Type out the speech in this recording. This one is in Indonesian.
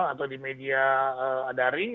atau di media adaring